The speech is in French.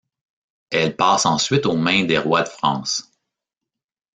Elle passe ensuite aux mains des rois de France.